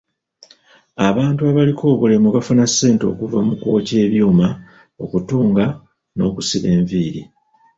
Abantu abaliko obulemu baafuna ssente okuva mu kwokya ebyuma, okutunga n'okusiba enviiri.